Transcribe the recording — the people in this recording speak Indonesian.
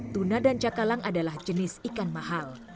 tuna dan cakalang adalah jenis ikan mahal